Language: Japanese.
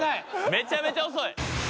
めちゃめちゃ遅い。